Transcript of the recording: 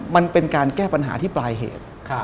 มันเป็นการแก้ปัญหาที่ปลายเหตุ